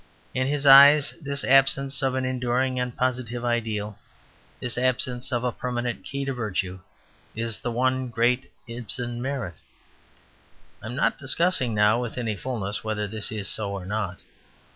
In his eyes this absence of an enduring and positive ideal, this absence of a permanent key to virtue, is the one great Ibsen merit. I am not discussing now with any fullness whether this is so or not.